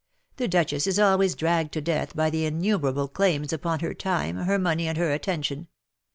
The duchess is always dragged to death by the innumerable claims upon her time, her money, and her attention.